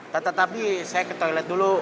tata tapi saya ke toilet dulu